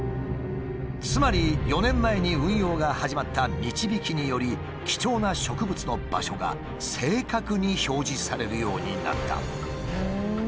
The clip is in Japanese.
つまり４年前に運用が始まったみちびきにより貴重な植物の場所が正確に表示されるようになった。